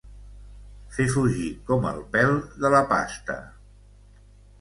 Fer fugir com el pèl de la pasta.